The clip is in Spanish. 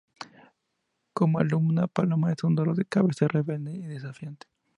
Como alumna, Paloma es un dolor de cabeza, rebelde y desafiante.